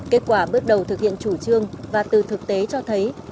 kết quả bước đầu thực hiện chủ trương và từ thực tế cho thấy